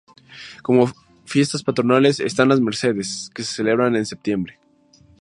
Como fiestas patronales están las Mercedes, que se celebran en septiembre.